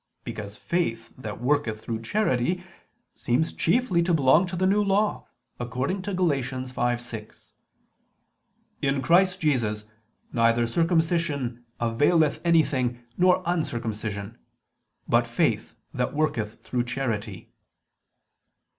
Because faith that worketh through charity seems chiefly to belong to the New Law, according to Gal. 5:6: "In Christ Jesus neither circumcision availeth anything, nor uncircumcision: but faith that worketh through charity."